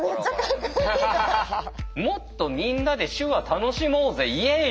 「もっとみんなで手話楽しもうぜイエイ！」